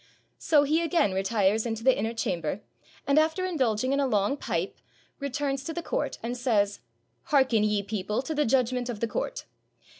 So he again retires into the inner cham ber, and after indulging in a long pipe, returns to the court, and says — "Hearken, ye people, to the judgment of the court.